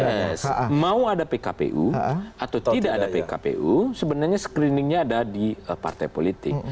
mau ada pkpu atau tidak ada pkpu sebenarnya screeningnya ada di partai politik